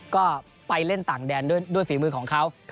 ก็ไปเล่นต่างแดนด้วยฝีมือของเขา